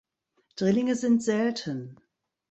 Drillinge sind selten.